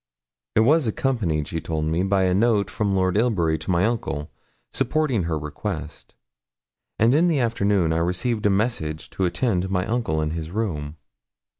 It was accompanied, she told me, by a note from Lord Ilbury to my uncle, supporting her request; and in the afternoon I received a message to attend my uncle in his room.